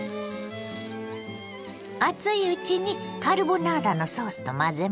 熱いうちにカルボナーラのソースと混ぜましょ。